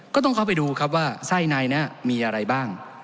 ก็ต้องเข้าไปดูครับว่าไส้ในนี้มีอะไรบ้าง